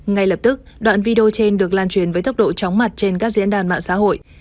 ngay lập tức đoạn video trên được lan truyền với tốc độ chóng mặt trên các diễn đàn mạng xã hội